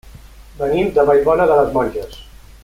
Venim de Vallbona de les Monges.